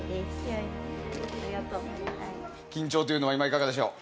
緊張というのは今いかがでしょう？